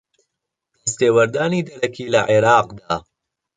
دەستێوەردانی دەرەکی لە عێراقدا